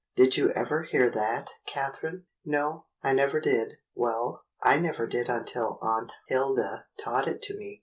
* Did you ever hear that, Catherine?" "No, I never did." "Well, I never did until Aunt Hilda taught it to me.